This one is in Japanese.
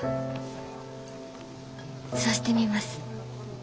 そうしてみます。